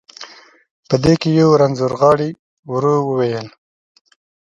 په دې کې یو رنځور غاړي، ورو وویل.